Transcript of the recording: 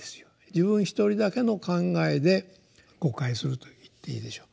自分一人だけの考えで誤解すると言っていいでしょう。